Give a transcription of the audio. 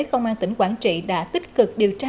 công an tỉnh quảng trị đã tích cực điều tra